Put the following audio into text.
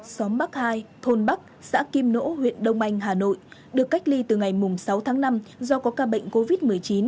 xóm bắc hai thôn bắc xã kim nỗ huyện đông anh hà nội được cách ly từ ngày sáu tháng năm do có ca bệnh covid một mươi chín